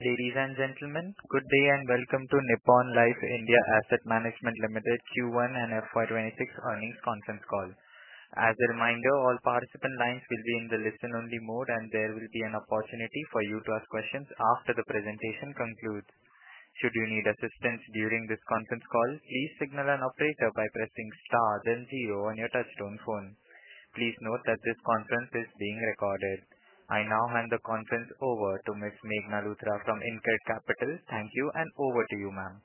Ladies and gentlemen, good day and welcome to Nippon Life India Asset Management Limited Q1 and FY26 earnings conference call. As a reminder, all participant lines will be in the listen-only mode and there will be an opportunity for you to ask questions after the presentation concludes. Should you need assistance during this conference call, please signal an operator by pressing star then zero on your Touch-Tone phone. Please note that this conference is being recorded. I now hand the conference over to Ms. Meghna Luthra from InCred Capital. Thank you and over to you, Ma'am.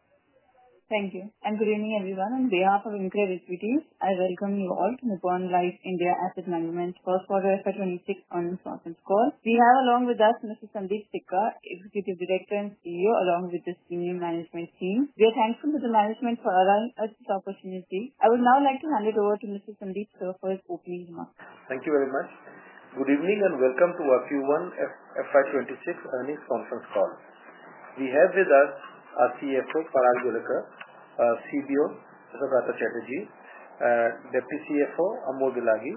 Thank you and good evening everyone. On behalf of InCred Equities, I welcome you all to Nippon Life India Asset Management first quarter FY2026 earnings conference call. We have along with us Mr. Sundeep Sikka, Executive Director and CEO, along with the senior management team. We are thankful to the management for allowing us this opportunity. I would now like to hand it over to Mr. Sundeep Sikka for his opening remarks. Thank you very much. Good evening and welcome to our Q1FY26 earnings conference call. We have with us our CFO Parag Joglekar, CBO Saugata Chatterjee, Deputy CFO Amol Bilagi,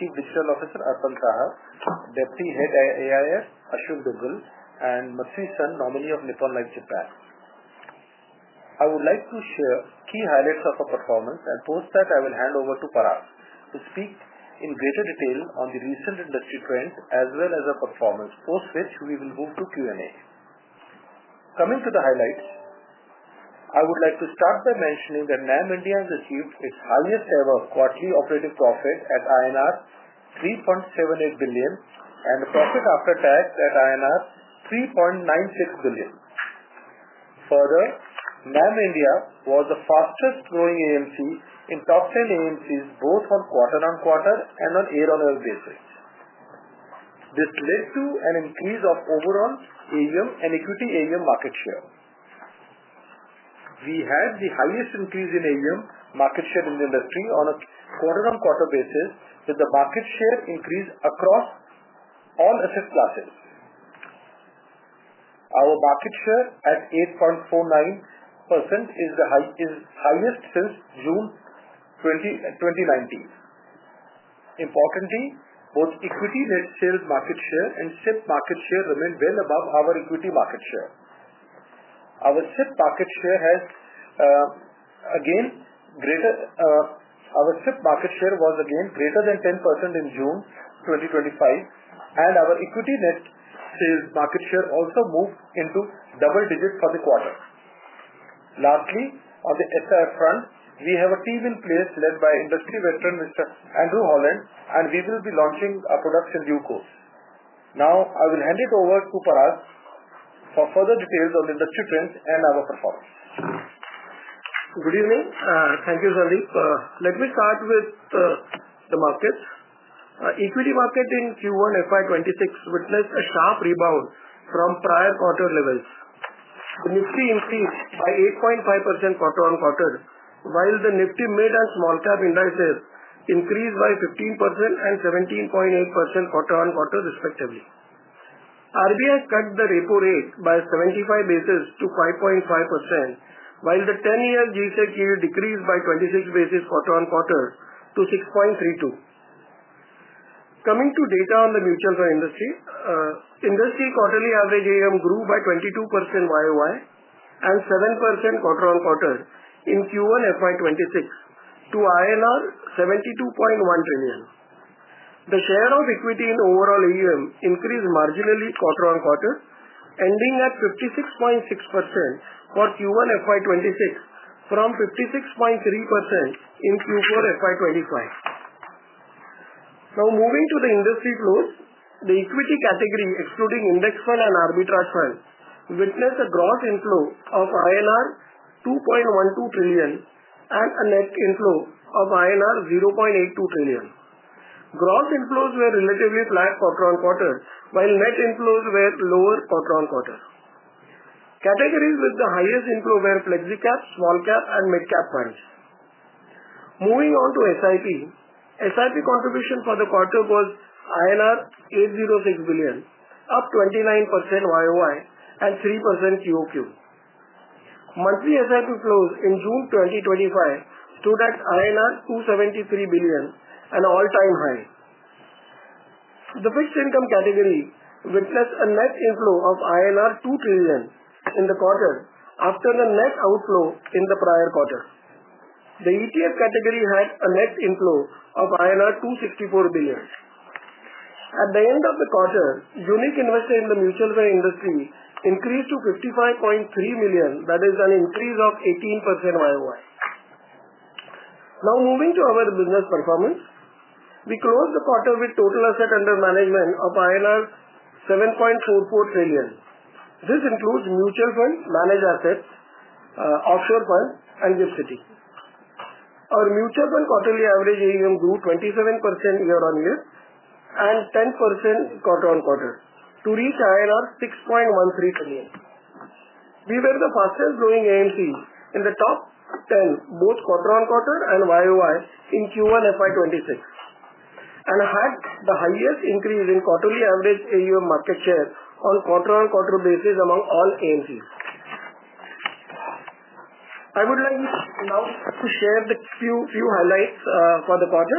Chief Digital Officer Arpanarghya Saha, Deputy Head AIF Aashwin Dugal, and Shin Matsui-san, Nominee of Nippon Life Insurance, Japan. I would like to share key highlights of our performance and post that I will hand over to Parag to speak in greater detail on the recent industry trends as well as our performance, post which we will move to Q&A. Coming to the highlights, I would like to start by mentioning that NAM-India has achieved its highest ever quarterly operating profit at INR 3.78 billion and the profit after tax at INR 3.96 billion. Further, NAM-India was the fastest growing AMC in top 10 AMCs both on quarter-on-quarter and on year-on-year basis. This led to an increase of overall AUM and equity AUM market share. We had the highest increase in AUM market share in the industry on a quarter-on-quarter basis, with the market share increase across all asset classes. Our market share at 8.49% is highest since June 2019. Importantly, both equity net sales market share and SIP market share remain well above our equity market share. Our SIP market share was again greater than 10% in June 2025 and our equity net sales market share also moved into double digit for the quarter. Lastly, on the AIF front we have a team in place led by industry veteran Mr. Andrew Holland and we will be launching our products in due course. Now I will hand it over to Parag for further details on the shipments and our performance. Good evening. Thank you Sundeep. Let me start with the market. Equity market in Q1FY26 witnessed a sharp rebound from prior quarter levels. The Nifty increased by 8.5% quarter-on-quarter while the Nifty mid and small cap indices increased by 15% and 17.8% quarter-on-quarter respectively. RBI cut the repo rate by 75 basis to 5.5% while the 10-year GSEC yield decreased by 26 basis quarter-on-quarter to 6.32%. Coming to data on the mutual fund industry, industry quarterly average AUM grew by 22% YoY and 7% quarter-on-quarter in Q1FY26 to INR 72.1 trillion. The share of equity in overall AUM increased marginally quarter-on-quarter ending at 56.6% for Q1FY26 from 56.3% in Q4FY25. Now moving to the industry flows, the equity category excluding index fund and arbitrage fund witnessed a gross inflow of INR 2.12 trillion and a net inflow of INR 0.82 trillion. Gross inflows were relatively flat quarter-on-quarter while net inflows were lower quarter-on-quarter. Categories with the highest inflow were flexi-cap, small-cap, and mid-cap funds. Moving on to SIP. SIP contribution for the quarter was 806 billion, up 29% YoY and 3% QoQ. Monthly SIP flows in June 2025 stood at INR 273 billion, all-time high. The fixed income category witnessed a net inflow of INR 2 trillion in the quarter after the net outflow in the prior quarter. The ETF category had a net inflow of INR 264 billion at the end of the quarter. Unique investors in the mutual fund industry increased to 55.3 million. That is an increase of 18% YoY. Now moving to our business performance, we closed the quarter with total assets under management of 7.44 trillion. This includes mutual fund, managed assets, offshore fund, and GIFT City. Our mutual fund quarterly average AUM grew 27% year-on-year and 10% quarter-on-quarter to reach 6.13 trillion. We were the fastest growing AMC in the top 10 both quarter-on-quarter and YoY in Q1FY26 and had the highest increase in quarterly average AUM market share on quarter-on-quarter basis among all AMCs. I would like now to share a few highlights for the quarter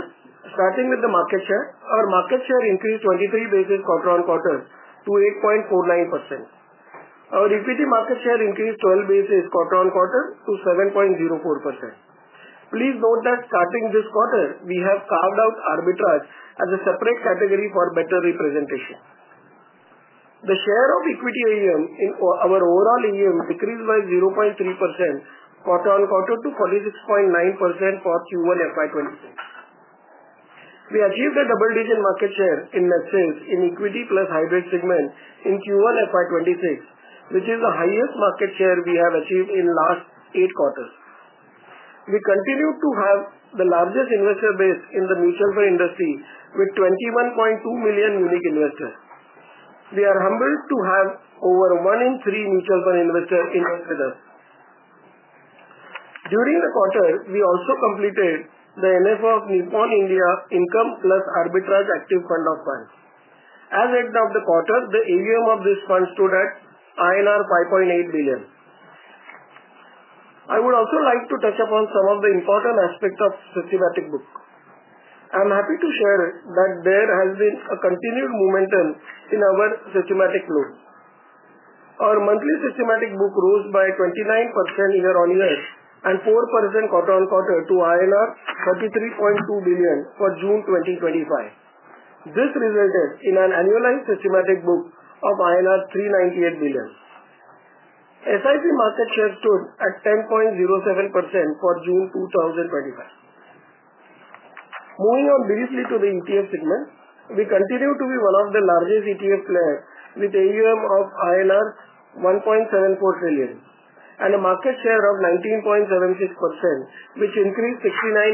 starting with the market share. Our market share increased 23 basis quarter-on-quarter to 8.49%. Our EBITDA market share increased 12 basis quarter-on-quarter to 7.04%. Please note that starting this quarter we have carved out arbitrage as a separate category for better representation. The share of equity AUM in our overall AUM decreased by 0.3% quarter-on-quarter to 46.9% for Q1FY26. We achieved a double-digit market share in Lexis in Equity + Hybrid segment in Q1FY26 which is the highest market share we have achieved in the last eight quarters. We continue to have the largest investor base in the mutual fund industry with 21.2 million unique investors. We are humbled to have over one in three mutual fund investors in with us. During the quarter, we also completed the NFO of Nippon India Income Plus Arbitrage Active Fund of Funds. As end of the quarter, the AUM of this fund stood at INR 5.8 billion. I would also like to touch upon some of the important aspects of systematic book. I am happy to share that there has been a continued momentum in our systematic loans. Our monthly systematic book rose by 29% year-on-year and 4% quarter-on-quarter to INR 33.2 billion for June 2025. This resulted in an annualized systematic book of INR 398 million. SIP market share stood at 10.07% for June 2025. Moving on briefly to the ETF segment, we continue to be one of the largest ETF players with AUM of INR 1.74 trillion and a market share of 19.76%, which increased 69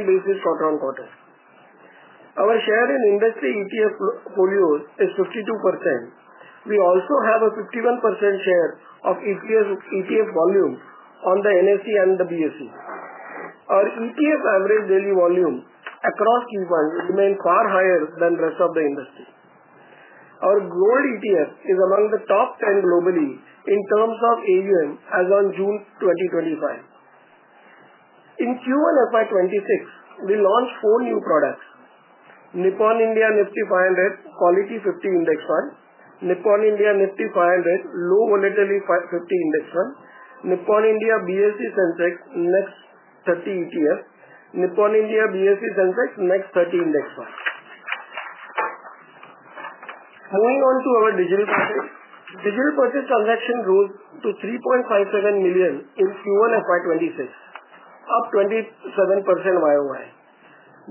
basis points quarter-on-quarter. Our share in industry ETF folio is 52%. We also have a 51% share of ETF volume on the NSE and the BSE. Our ETF average daily volume across coupons remains far higher than rest of the industry. Our Gold ETF is among the top 10 globally in terms of AUM as on June 2025. In Q1FY26, we launched four new products: Nippon India Nifty 500 Quality 50 Index Fund, Nippon India Nifty 500 Low Volatility 50 Index Fund, Nippon India BSE Sensex Next 30 ETF, and Nippon India BSE Sensex Next 30 Index Funds. Moving on to our digital purchase, digital purchase transactions rose to 3.57 million in Q1FY26, up 27% YoY.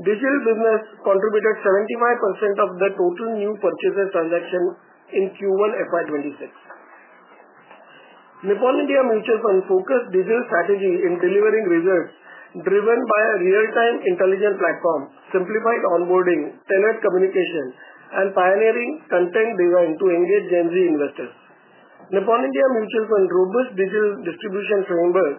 Digital business contributed 75% of the total new purchases transaction in Q1FY26. Nippon Life India Asset Management focused digital strategy in delivering results driven by a real-time intelligent platform, simplified onboarding, tenant communication, and pioneering content design to engage Gen Z investors. Nippon Life India Asset Management robust digital distribution framework,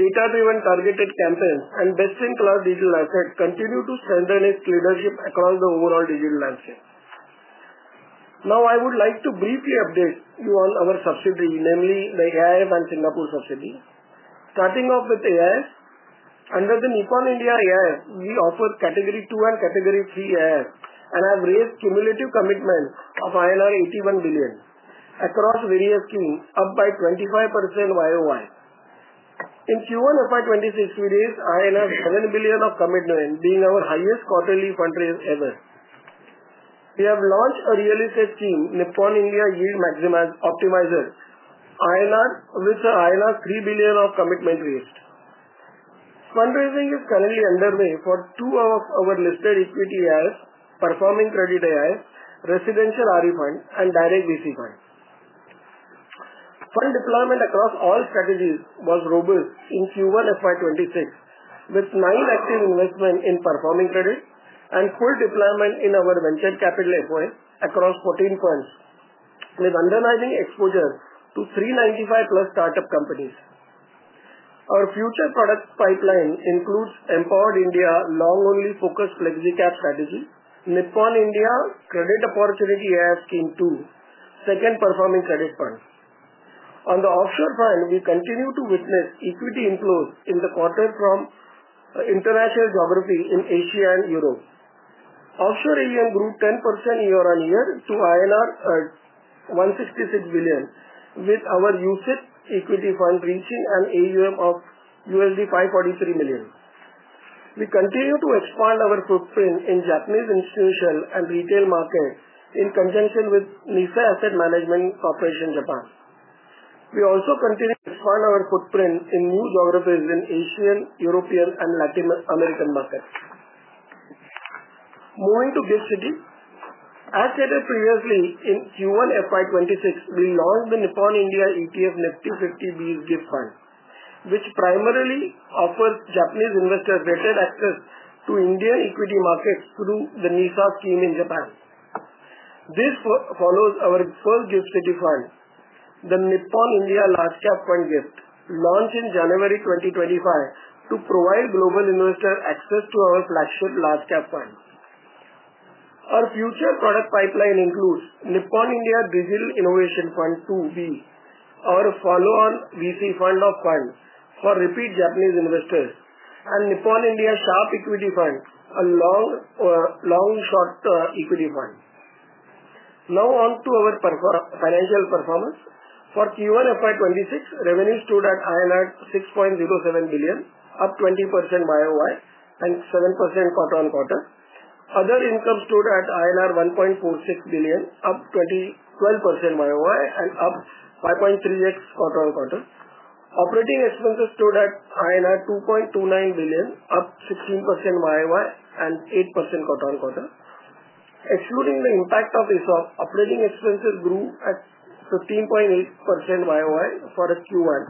data-driven targeted campaigns, and best-in-class digital assets continue to strengthen its leadership across the overall digital landscape. Now I would like to briefly update you on our subsidiary, namely the AIF and Singapore subsidiary. Starting off with AIF, under the Nippon India AIF, we offer Category 2 and Category 3 AIF and have raised cumulative commitment of INR 81 billion across various schemes, up by 25% YoY in Q1 FY26, with INR 7 billion of commitment. This being our highest quarterly fundraiser ever, we have launched a real estate scheme, Nippon India Yield Optimizer INR, with 3 billion of commitment raised. Fundraising is currently underway for two of our listed equity AIFs, performing credit AIF, residential RE fund, and direct VC fund. Fund deployment across all strategies was robust in Q1 FY26, with nine active investments in performing credit and full deployment in our venture capital FOF across 14 funds with underlying exposure to 395+ startup companies. Our future products pipeline includes Empowered India Long Only Focused Flexicap Strategy, Nippon India Credit Opportunity AIF Scheme 2, Second Performing Credit Fund. On the offshore front, we continue to witness equity inflows in the quarter from international geographies in Asia and Europe. Offshore AUM grew 10% year-on-year to INR 166 billion, with our UCIT Equity Fund reaching an AUM of USD 543 million. We continue to expand our footprint in Japanese institutional and retail market. In conjunction with NISA Asset Management Corporation, Japan, we also continue to expand our footprint in new geographies in Asian, European, and Latin American markets. Moving to GIFT City, as stated previously, in Q1 FY26, we launched the Nippon India ETF Nifty 50 Bees GIFT Fund, which primarily offers Japanese investors vetted access to Indian equity markets through the NISA scheme in Japan. This follows our first GIFT City fund, the Nippon India Large Cap Fund GIFT, launched in January 2025 to provide global investor access to our flagship large cap fund. Our future product pipeline includes Nippon India Brazil Innovation Fund 2B, our follow-on VC fund of fund for repeat Japanese investors, and Nippon India Sharp Equity Fund, a long short equity fund. Now on to our financial performance. For Q1 FY26, revenue stood at INR 6.07 billion, up 20% YoY and 7% quarter-on-quarter. Other income stood at 1.46 billion, up 12% YoY and up 5.3x quarter-on-quarter. Operating expenses stood at INR 2.29 billion, up 16% YoY and 8% quarter-on-quarter. Excluding the impact of ESOP, operating expenses grew at 15.8% YoY for Q1,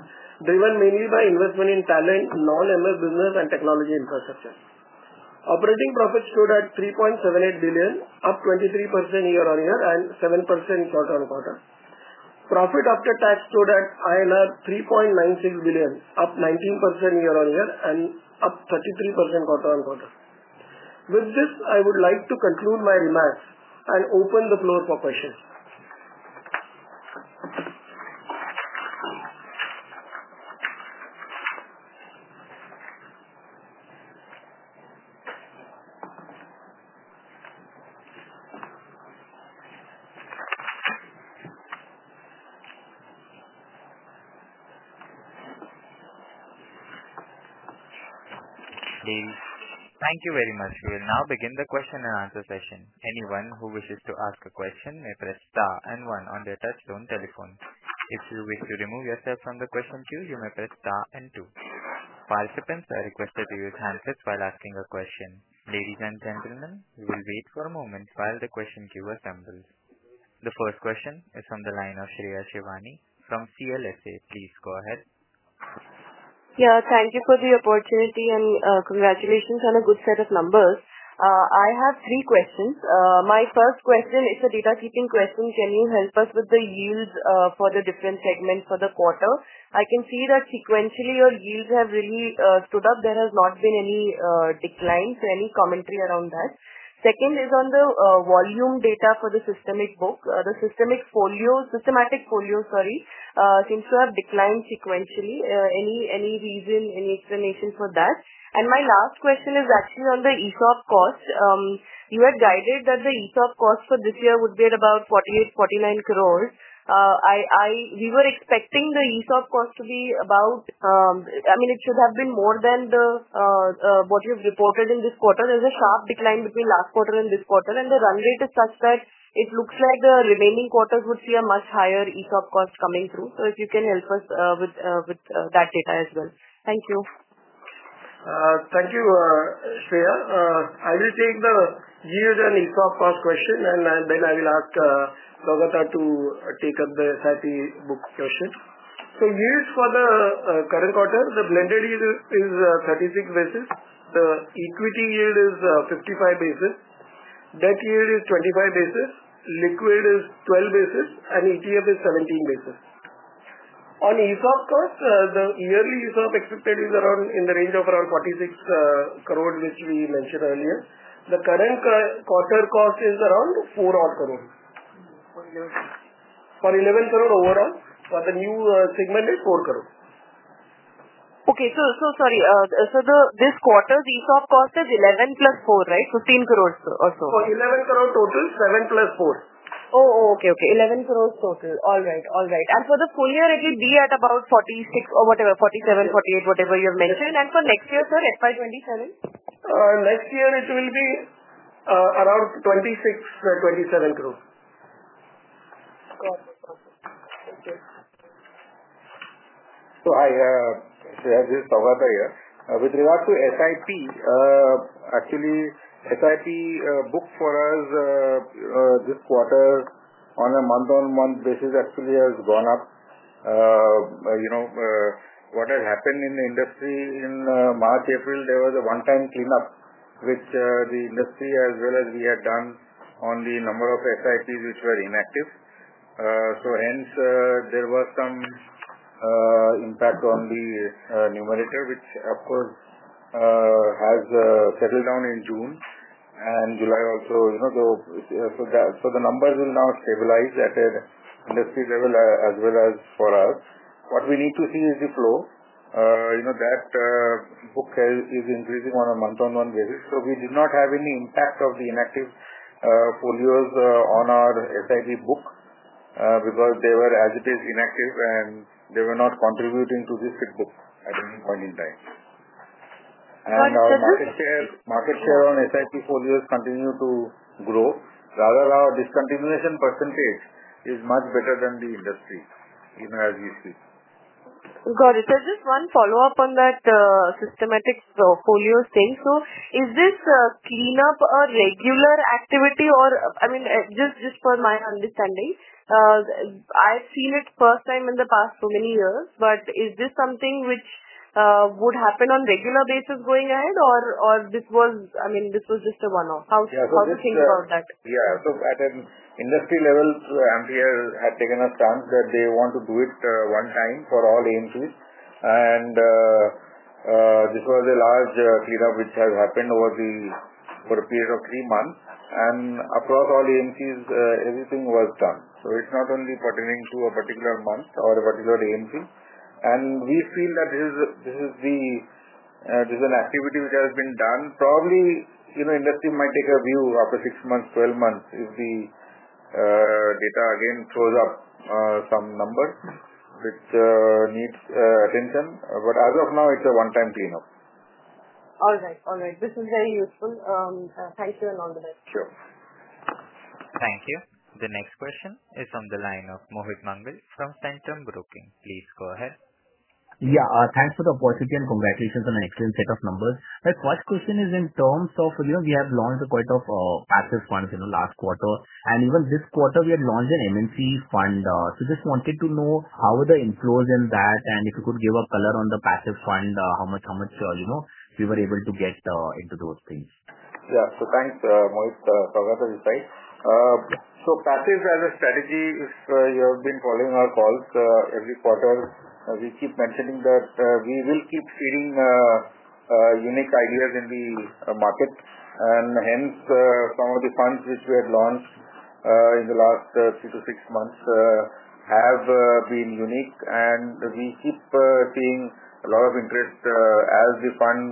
driven mainly by investment in talent, non-mutual fund business, and technology infrastructure. Operating profit stood at 3.78 billion, up 23% year-on-year and 7% quarter-on-quarter. Profit after tax stood at INR 3.96 billion, up 19% year-on-year and up 33% quarter-on-quarter. With this, I would like to conclude my remarks and open the floor for questions. Thank you very much. We will now begin the question and answer session. Anyone who wishes to ask a question may press star and one on their Touch-Tone telephone. If you wish to remove yourself from the question queue, you may press star and two. Participants are requested to use handsets while asking a question. Ladies and gentlemen, we will wait for a moment while the question queue assembles. The first question is from the line of Shreya Shivani from CLSA. Please go ahead. Thank you for the opportunity and congratulations on a good set of numbers. I have three questions. My first question is a data keeping question. Can you help us with the yields for the different segments for the quarter? I can see that sequentially your yields have really stood up. There has not been any decline. Any commentary around that? Second is on the volume data for the systematic book. The systematic folio seems to have declined sequentially. Any reason, any explanation for that? My last question is actually on the ESOP cost. You had guided that the ESOP cost for this year would be at about 48-49 crore. We were expecting the ESOP cost to be about, I mean it should have been more than what you've reported in this quarter. There's a sharp decline between last quarter and this quarter and the run rate is such that it looks like the remaining quarters would see a much higher ESOP cost coming through. If you can help us with that data as well. Thank you. Thank you, Shreya. I will take the yield and ESOP cost question, and then I will ask Saugata to take up the SIP book question. Yields for the current quarter, the blended yield is 36 basis. The equity yield is 55 basis. Debt yield is 25 basis. Liquid is 12 basis and ETF is 17 basis. On ESOP cost, the yearly ESOP expected is in the range of around 46 crore, which we mentioned earlier. The current quarter cost is around 4 odd crore. For INR 11 crore. Overall for the new segment is INR 4 crore. Sorry, this quarter the shop cost is 11 plus 4. Right? 15 crore or so. 11 crore total. 7 crore plus 4 crore. Oh, okay, okay. 11 crore total. All right. All right. For the full year, it will be at about 46 or whatever, 47, 48, whatever you have mentioned. For next year, sir, FY2027. Next year it will be around INR 26-27 crore. So. Hi, this is Saugata here with regards to SIP. Actually, SIP booked for us this quarter on a month-on-month basis has gone up. You know what has happened in the industry in March, April, there was a one-time cleanup which the industry as well as we had done on the number of SIPs which were inactive. Hence, there was some impact on the numerator, which of course has settled down in June and July also. The numbers will now stabilize at an industry level as well. As for us, what we need to see is the flow. That book is increasing on a month-on-month basis. We did not have any impact of the inactive folios on our SIP book because they were, as it is, inactive and they were not contributing to this SIP book at any point in time. Our market share on SIP folios continues to grow. Rather, our discontinuation percentage is much better than the industry even as we speak. Got it. Just one follow-up on that systematic folio thing. Is this cleanup a regular activity? I mean, just for my understanding, I've seen it the first time in the past so many years. Is this something which would happen on a regular basis going ahead, or was this just a one-off? How do you think about that? Yeah. At an industry level, AMFI had taken a stance that they want to do it one time for all AMCs. This was a large cleanup which has happened over a period of three months. Across all AMCs, everything was done. It's not only pertaining to a particular month or a particular AMC. We feel that this is an activity which has been done. Probably, you know, industry might take a view after 6 months or 12 months if the data again shows up some number which needs attention. As of now, it's a one time cleanup. All right, all right. This is very useful. Thank you. All the best. Sure. Thank you. The next question is on the line of Mohit Mangal from Centrum Broking, please go ahead. Yeah, thanks for the opportunity and congratulations on an excellent set of numbers. My first question is in terms of, you know, we have launched quite a few active funds in the last quarter and even this quarter we had launched an MNC fund. Just wanted to know how the inflows in that are and if you could give a color on the passive fund, how much, how much, you know, we were able to get into those things. Yeah, so thanks Mohit. Passive as a strategy, if you have been following our calls every quarter, we keep mentioning that we will keep feeding unique ideas in the market, and hence some of the funds which we had launched in the last three to six months have been unique. We keep seeing a lot of interest as the fund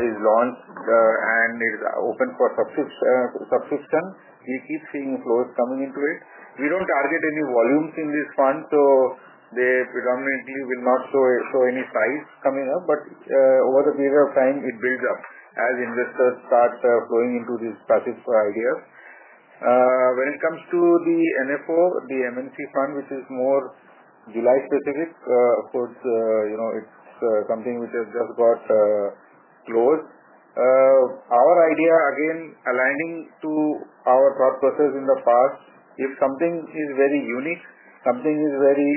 is launched and it is open for subscription. We keep seeing flows coming into it. We don't target any volumes in this fund, so they predominantly will not show any size coming up. Over the period of time, it builds up as investors start flowing into these passes for ideas. When it comes to the NFO, the MNC fund, which is more July specific, it's something which has just got closed. Our idea, again aligning to our thought process in the past, if something is very unique, something is very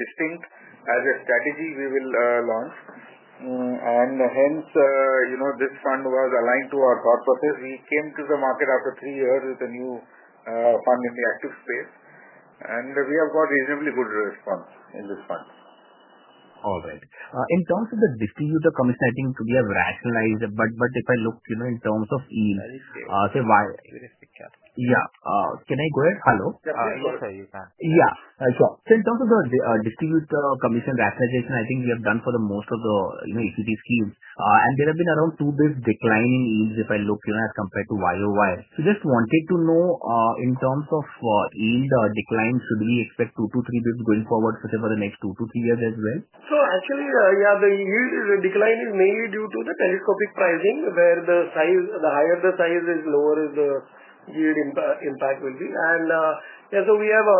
distinct as a strategy, we will launch, and hence this fund was aligned to our thought process. We came to the market after three years with a new fund in the active space, and we have got reasonably good response in this fund. All right. In terms of the distributor commission, I think we have rationalized, but if I look in terms of yield—yeah, can I go ahead? Hello? Yeah, sure. In terms of the distributor commission rationalization, I think we have done for most of the equity schemes, and there have been around 2 bps decline in yields if I look as compared to YoY. I just wanted to know, in terms of yield decline, should we expect two to three bps going forward for the next two to three years as well? Actually, yeah, the yield decline is mainly due to the telescopic pricing where. The size, the higher the size is, lower the yield impact will be. We have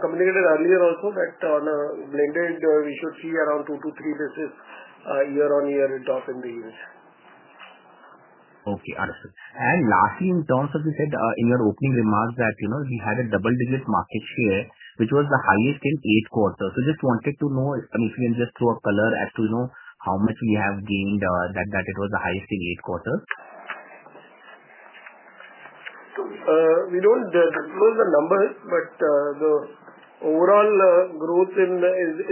communicated earlier also. That on a blended, we should see around two to three basis year-on-year drop in the U.S., Okay. Lastly, in terms of you said in your opening remarks that you know we had a double-digit market share, which was the highest in eight quarters. Just wanted to know if you can just throw a color as to how much we have gained, that it was the highest in eight quarters. We don't disclose the numbers, but the overall growth is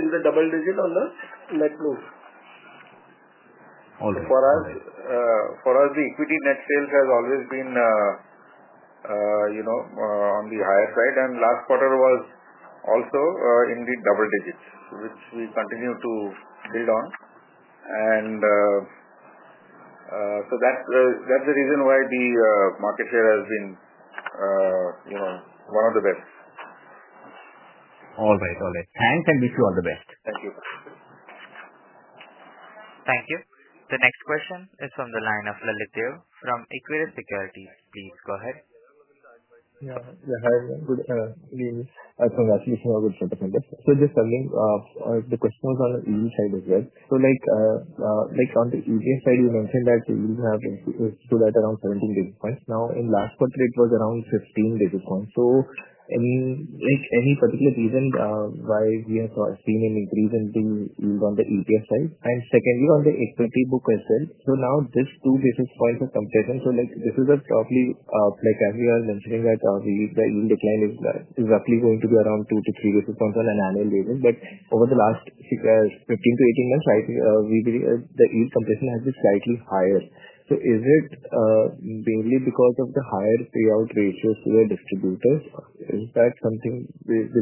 in the double digit on the net move. For us, the equity net sales has always been on the higher side, and last quarter was also in the double digits, which we continue to build on. That's the reason why the market share has been, you know, one of the best. All right, all right, thanks and wish you all the best. Thank you. Thank you. The next question is from the line of Lalit Deo from Equirus Security. Please go ahead. Congratulations. Just tell me, the question was on the easy side as well. Like on the easiest side, you mentioned that around 17 basis points. In the last quarter, it was around 15 basis points. Is there any particular reason why we have seen an increase in the yield on the ETF side, and secondly, on the equity book as well? Now, this two basis points of compression, this is roughly, as we are mentioning, that the yield decline is roughly going to be around 2-3 basis points on an annual basis. Over the last 15-18 months, we believe the yield compression has been slightly higher. Is it mainly because of the higher payout ratios to the distributors? Is that something? Thanks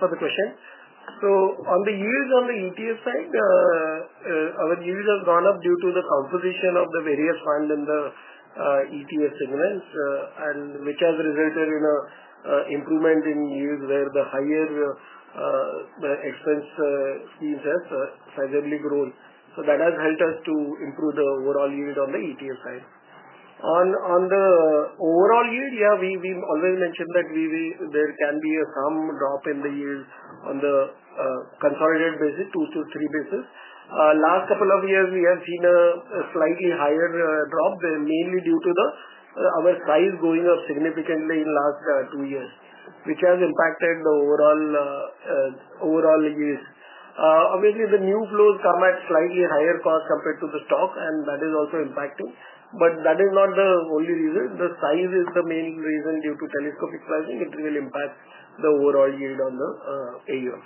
for the question. On the yields on the ETF side, our yield has gone up due to the composition of the various fund. In the ETF segments, which has resulted in an improvement in yield where the higher expense fees have sizably grown. That has helped us to improve the overall yield on the ETF side. On the overall yield, we always mention. That there can be some drop in the yield on the consolidated basis, 2 to 3 basis. Last couple of years we have seen a slightly higher drop mainly due to our size going up significantly. Last two years, which has impacted the overall use. Obviously, the new flows come at slightly higher cost compared to the stock, and that is also impacting. That is not the only reason. The size is the main reason; due to telescopic pricing, it will impact the overall yield on the AIF.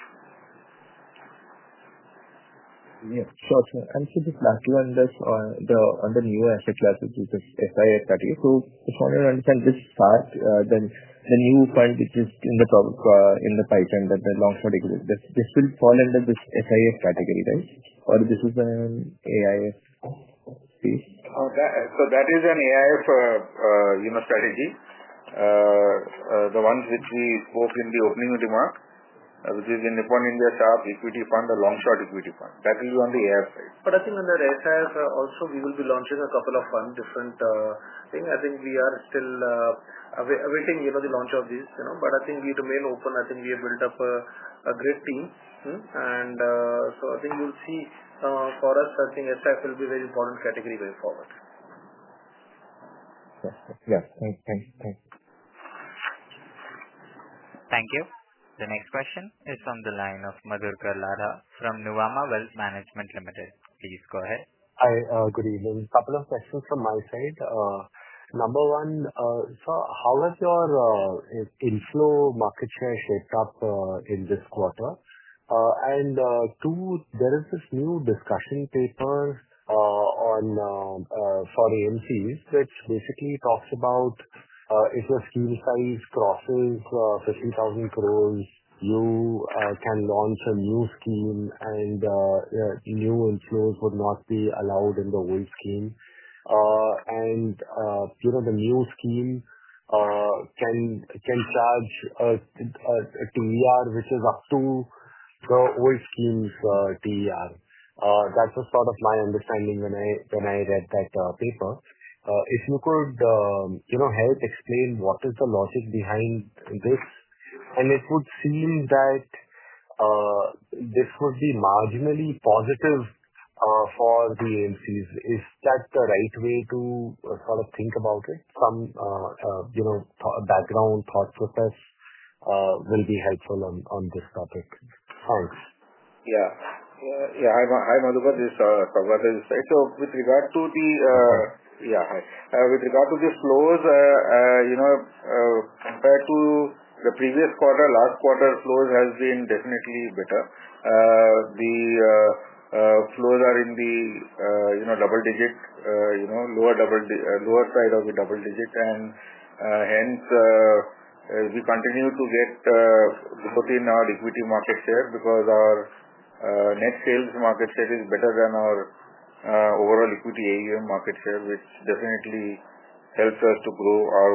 Sure. Just back to the new asset classes, which is AIF. If you want to understand this fact, then the new fund which is in the, in the PY that the long short exists, this will fall under this AIF category, right, or this is AIF. That is an AIF, you know, strategy. The ones which we spoke in the opening remark, which is in Nippon India Sharp Equity Fund, the long short equity fund, that will be on the. I think under SIF also we will be launching a couple of fund different things. I think we are still awaiting the launch of these, but I think we remain open. I think we have built up a great team, and I think you will see for us SIF will be a very important category going forward. Thank you. The next question is on the line of Madhukar Ladha from Nuvama Wealth Management Limited. Please go ahead. Hi, good evening. Couple of questions from my side. Number one sir, how has your inflow market share shaped up in this quarter? Two, there is this new discussion paper for AMC which basically talks about if your scheme size crosses 50,000 crore you can launch a new scheme and new inflows would not be allowed in the old scheme and the new scheme can charge a TER which is up to the old scheme's TER. That was sort of my understanding when I read that paper. If you could help explain what is the logic behind this and it would seem that this would be marginally positive for the AMCs. Is that the right way to sort of think about it? Some background thought process will be helpful on this topic. Thanks. Hi Madhukar. With regard to the, you know, compared to the previous quarter, last quarter flows have been definitely better. The flows are in the double-digit, lower side of the double-digit, and hence we continue to get put in our equity market share because our net sales market share is better than our overall equity AUM market share, which definitely helps us to grow our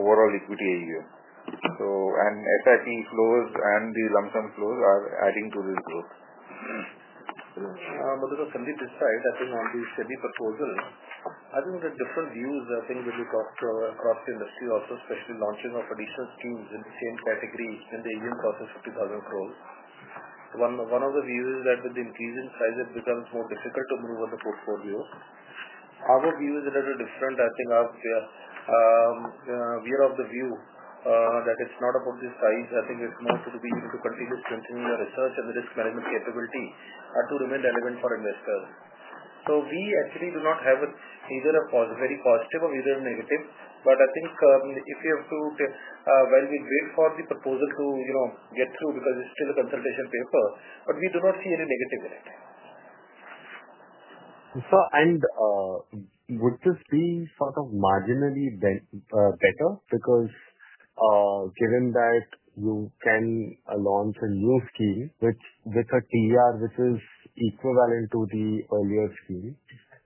overall equity AUM. SRT flows and the lump sum flows are adding to this growth. Sundeep, this side. I think on the SEBI proposal, the different views will be talked across the industry also, especially launching of additional schemes in the same category. When the AUM crosses 50,000 crore, one of the views is that with the increase in size, it becomes more difficult to move on the portfolio. Our view is a little different. We are of the view that it's not about the size. It's more to be able to continue strengthening the research and the risk management capability to remain relevant for investors. We actually do not have either a very positive or a negative view. While we wait for the proposal to get through, because it's still a consultation paper, we do not see any negative in it. Sir, would this be sort of marginally better because given that you can launch a new scheme with a TER which is equivalent to the earlier scheme?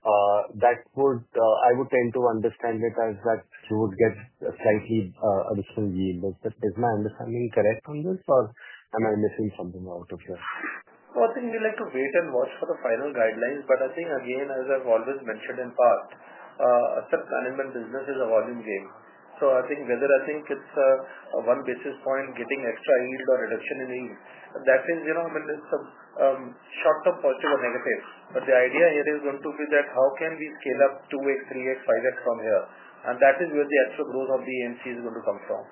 I would tend to understand it as that you would get a slightly additional yield as that is my understanding. I mean, correct on this or am I missing something out of here? I think we like to wait and watch for the final guidelines. I think again as I've always mentioned, in part, asset management business is a volume game. I think whether it's one basis point getting extra yield or reduction in yield, that is, you know, I mean, it's a short-term positive or negative, but the idea here is going to be that how can we scale up 2x, 3x, 5x from here? That is where the extra growth of the AMC is going to come from.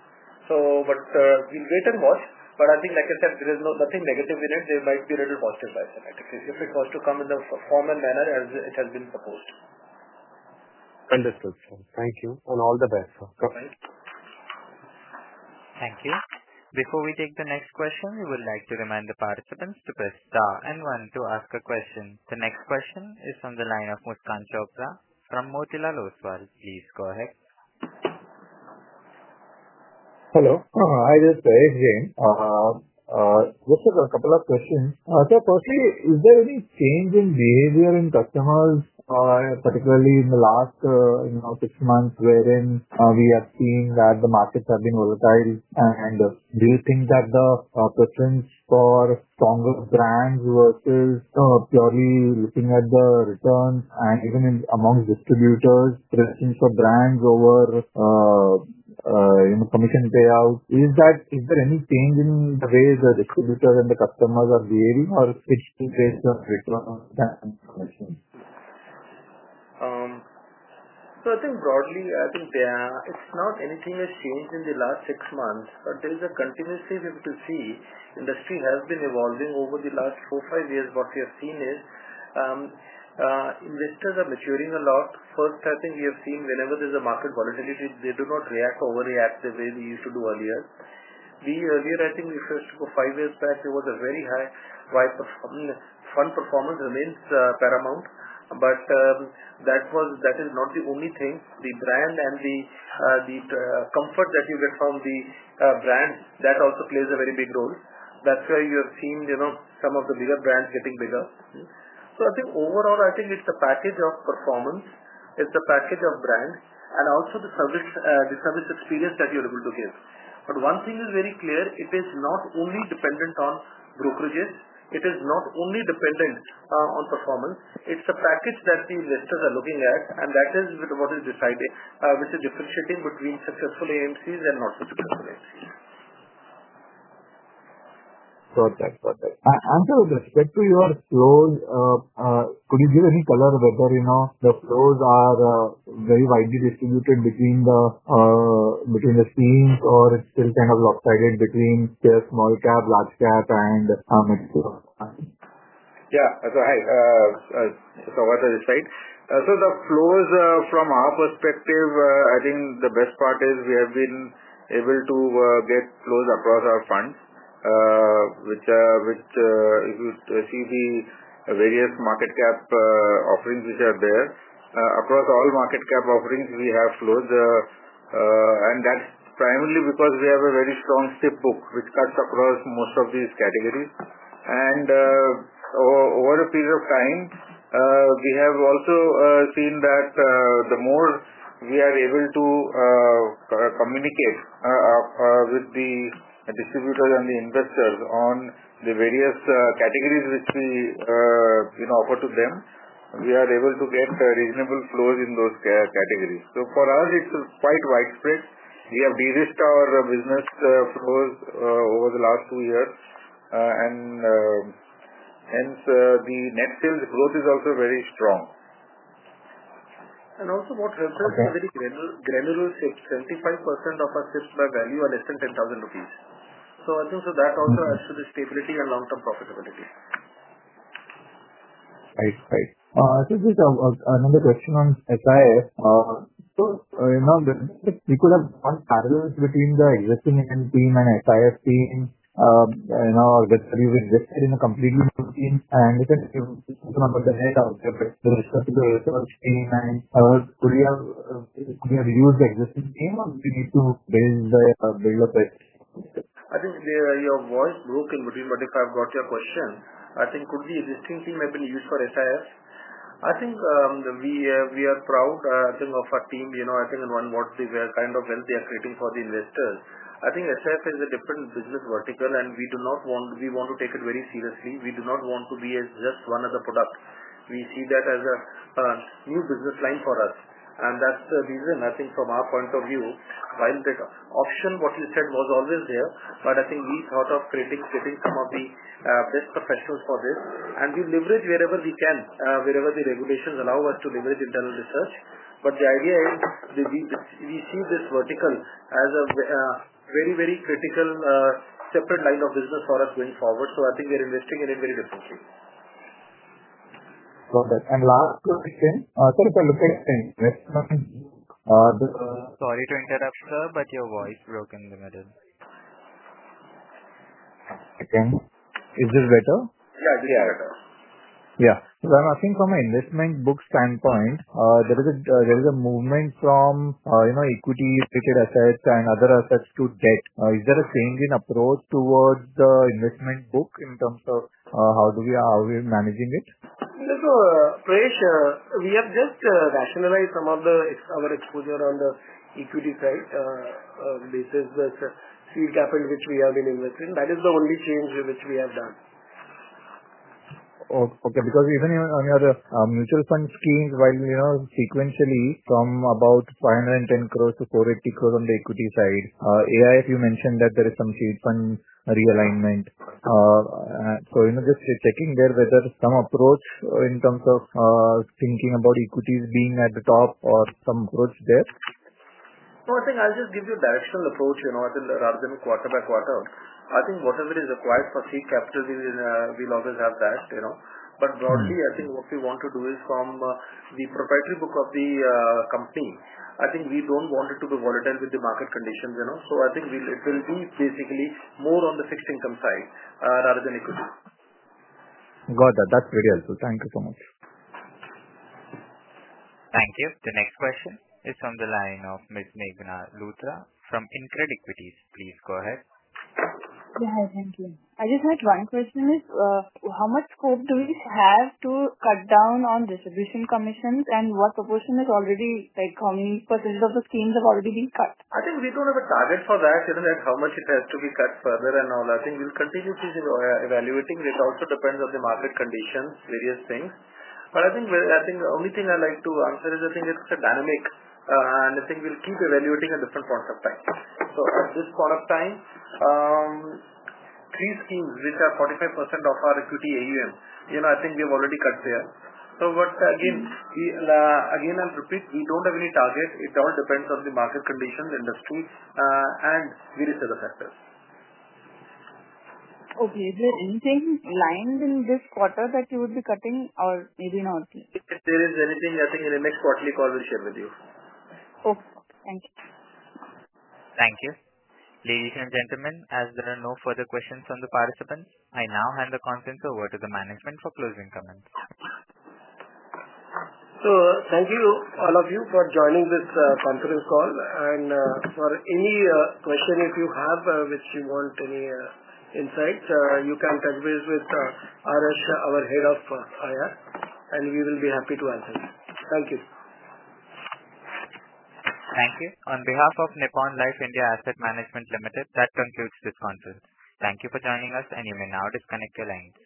We will wait and watch. I think, like I said, there is nothing negative in it. There might be a little positive bias if it was to come in a formal manner as it has been proposed. Understood sir. Thank you. All the best, sir. Thank you. Before we take the next question, we would like to remind the participants to press star and one to ask a question. The next question is from the line of Mutka Chopra from Motilal Oswal. Please go ahead. Hello. Hi, this is Jain. Just a couple of questions. Firstly, is there any change in behavior in customers, particularly in the last six months, wherein we are seeing that the markets have been volatile, and do you think that the preference for stronger brands versus purely looking at the returns, and even among distributors, presence of brands over commission payout? Is there any change in the way the distributors and the customers are behaving? I think broadly it's not anything has changed in the last six months, but there is a continuous able to see industry has been evolving over the last four, five years. What we have seen is investors are maturing a lot. First, I think we have seen whenever there is a market volatility, they do not react or react the way they used to do. Earlier, I think we first go five years back, there was a very high fund. Performance remains paramount, but that is not the only thing. The brand and the comfort that you get from the brand, that also plays a very big role. That's why you have seen some of the bigger brands getting bigger. I think overall I think it's a package of performance. It's a package of brand and also the service experience that you're able to give. One thing is very clear, it is not only dependent on brokerages, it is not only dependent on performance. It is a package that we list out, are looking at, and that is what is deciding which is differentiating between successful AMCs and not successful. AMC's. Got that answer. With respect to your flows, could you give any color whether you know the flows are very widely distributed between the scenes, or it's still kind of lopsided between small cap, large cap, and mix? Yeah. Hi. The flows from our perspective, I think the best part is we have been able to get flows across our funds. If you see the various market cap offerings which are there, across all market cap offerings, we have flows. That's primarily because we have a very strong SIP book which cuts across most of these categories. Over a period of time, we have also seen that the more we are able to communicate with the distributors and the investors on the various categories which we offer to them, we are able to get reasonable flows in those categories. For us, it's quite widespread. We have de-risked our business flows over the last two years, and hence the net sales growth is also very strong. What results is very granular SIPs. 75% of our SIPs by value are less than 10,000 rupees. I think that also adds to the stability and long-term profitability. Another question on SIF. We could have parallels between the existing team and SIF team, and we can about the net. Could we have used the existing team or we need to build a bit. I think your voice broke in between. If I've got your question, I think the existing team has been used for SIF. We are proud of our team and the kind of wealth they are creating for the investors. SIF is a different business vertical and we want to take it very seriously. We do not want to be just one other product. We see that as a new business line for us. That's the reason, from our point of view, while a better option, what you said was always there, we thought of fitting some of the best professionals for this. We leverage wherever we can, wherever the regulations allow us to leverage internal research. The idea is we see this vertical as a very, very critical separate line of business for us going forward. I think we are investing in it very differently. Got it. Last question, sir, is a big thing. Sorry to interrupt, sir, but your voice broke in the middle. Is this better? Yeah, Yeah. I'm asking from an investment book standpoint, there is a movement from, you know, equity related assets and other assets to debt. Is there a change in approach towards the investment book in terms of how do we managing it? We have just rationalized some of our distributor commission rationalization. Exposure, exposure on the equity side, this is the fee cap in which we have been investing. That is the only change which we have done. Okay. Because even on your mutual fund schemes, while you know, sequentially from about 510 crore to 480 crore on the equity side, AIF you mentioned that there is some sheet fund realignment. Just checking there whether some approach in terms of thinking about equities being at the top or some approach there. No, I think I'll just give you a directional approach rather than quarter by quarter. I think whatever is required for seed capital, we'll always have that. Broadly, I think what we want to do is from the proprietary book of the company. We don't want it to be volatile with the market conditions. I think it will be basically more on the fixed income side rather than equity. Got that? That's very helpful. Thank you so much. Thank you. The next question is from the line of Ms. Meghna Luthra from InCred Equities. Please go ahead. I just had one question. How much scope do we have to cut down on distributor commissions, and what proportion is already, like how many percent of the schemes have already been cut? I think we don't have a target for that, you know, how much it has to be cut further and all. I think we'll continue to evaluating. It also depends on the market conditions, various things. I think the only thing I like to answer is I think it's. A dynamic and I think we'll keep evaluating at different points of time. At this point of time. Three schemes which are 45% of our equity AUM, I think we have already cut there. I'll repeat, we don't have any target. It all depends on the market conditions, industry, and we receive the factors. Okay, is there anything lined in this quarter that you would be cutting or maybe not? If there is anything, I think in. The next quarterly call we will share with you. Okay, thank you. Thank you, ladies and gentlemen. As there are no further questions from the participants, I now hand the conference over to the management for closing comments. Thank you all of you for joining this conference call and for any question if you have which you want. Any insights you can touch base with our Head of IR and we will be happy to answer. Thank you. Thank you on behalf of Nippon Life India Asset Management Limited. That concludes this conference. Thank you for joining us. You may now disconnect your lines.